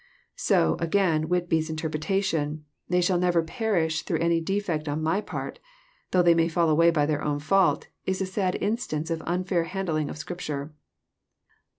So, again, Whitby's interpretation, Tbey shall never perish through any defeet on my part," thongh they may fall away by their own fanlt, is a sad instance of unfair handling of Scrip tare.